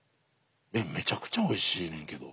めちゃくちゃおいしいねんけど。